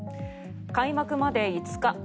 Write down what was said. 開幕まで５日。